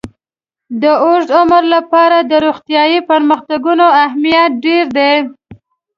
د اوږد عمر لپاره د روغتیايي پرمختګونو اهمیت ډېر دی.